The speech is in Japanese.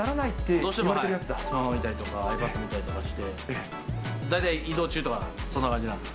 どうしてもスマホ見たりとか、ｉＰａｄ見たりとかして、大体移動中とか、そんな感じなんで。